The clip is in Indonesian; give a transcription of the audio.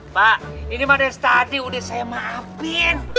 pak ini pada tadi udah saya maafin